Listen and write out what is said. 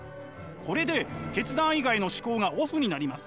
これで決断以外の思考がオフになります。